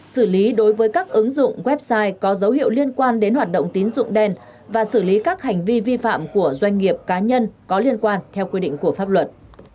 xử lý đối với các ứng dụng website có dấu hiệu liên quan đến hoạt động tín dụng đen và xử lý các hành vi vi phạm của doanh nghiệp cá nhân có liên quan theo quy định của pháp luật